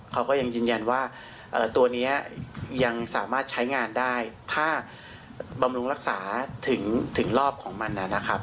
เขาก็ยังยืนยันว่าตัวนี้ยังสามารถใช้งานได้ถ้าบำรุงรักษาถึงรอบของมันนะครับ